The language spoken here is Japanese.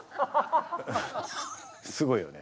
すごいよね。